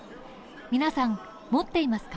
皆さん持っていますか。